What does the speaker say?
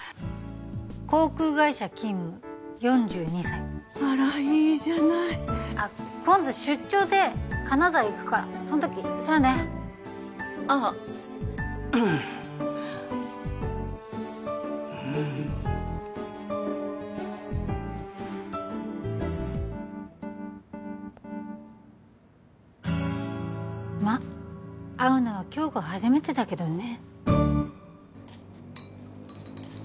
航空会社勤務４２歳あらいいじゃないあっ今度出張で金沢行くからそん時じゃあねあっうんまっ会うのは今日が初めてだけどね